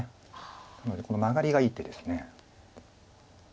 なのでこのマガリがいい手です。